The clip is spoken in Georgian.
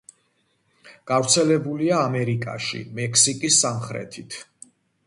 გავრცელებულია ამერიკაში, მექსიკის სამხრეთით.